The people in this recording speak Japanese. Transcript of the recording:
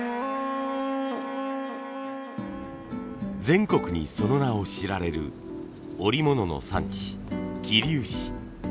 全国にその名を知られる織物の産地桐生市。